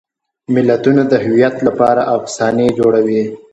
ملتونه د هویت لپاره افسانې جوړوي.